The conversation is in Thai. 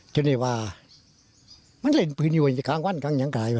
จนได้ว่ามันเล่นปืนอยู่ในกลางวันกลางอย่างกลาย